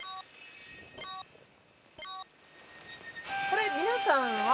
これ皆さんは。